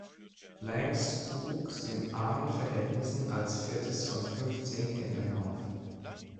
Blanks wuchs in armen Verhältnissen als viertes von fünfzehn Kindern auf.